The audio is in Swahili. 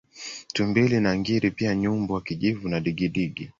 Tumbili na ngiri pia nyumbu wa kijivu na Digidigi